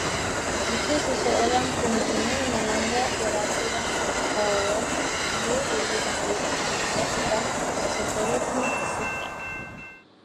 Jika seseorang pengguna melanggar peraturan forum, dia boleh diberi amaran, dan seterusnya disekat